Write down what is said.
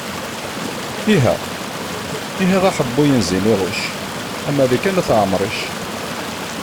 Iha, iha aḥebbuy n ziniɣuc, a Malika n at Ɛemric.